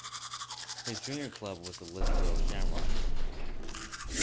His junior club was the Lithgow Shamrocks.